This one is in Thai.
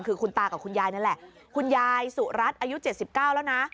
คือคุณตากับคุณยายนั่นแหละคุณยายสุรัตน์อายุ๗๙แล้วนะ